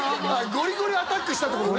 ゴリゴリアタックしたってことね